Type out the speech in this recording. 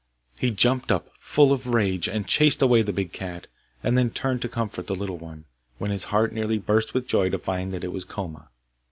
He jumped up, full of rage, and chased away the big cat, and then he turned to comfort the little one, when his heart nearly burst with joy to find that it was Koma.